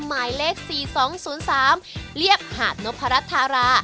หมายเลข๔๒๐๓เรียบหาดนพรัชธารา